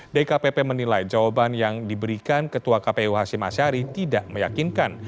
dkpp menilai jawaban yang diberikan ketua kpu hashim ashari tidak meyakinkan